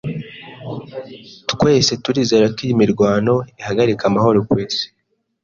Twese turizera ko iyi mirwano ihagarika amahoro ku isi.